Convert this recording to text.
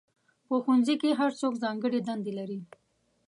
په ښوونځي کې هر څوک ځانګړې دندې لري.